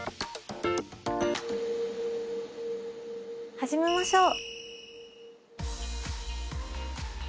始めましょう。